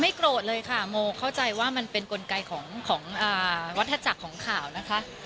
โกรธเลยค่ะโมเข้าใจว่ามันเป็นกลไกของวัฒนาจักรของข่าวนะคะ